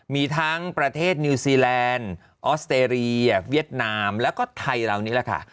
มีทั้งประเทศนิวซีแลนด์ออสเตรเลียเวียดนามแล้วก็ไทยเรานี่แหละค่ะ